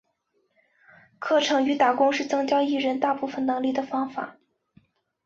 课程与打工是增加艺人大部分能力的方法。